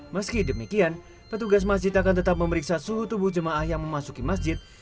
meski demikian petugas masjid akan tetap memeriksa suhu tubuh jemaah yang memasuki masjid